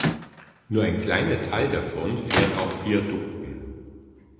Nur ein kleiner Teil davon fährt auf Viadukten.